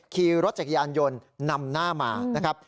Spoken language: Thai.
ขี่รถจักรยานยนต์นำหน้ามานะครับ